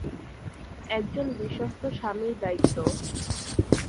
একজন বিশ্বস্ত স্বামীর দায়িত্ব।